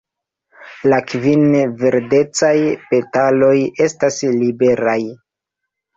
La kvin verdecaj petaloj estas liberaj.